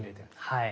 はい。